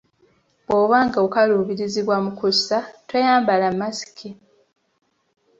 Bw’oba ng’okaluubirizibwa mu kussa, toyambala masiki.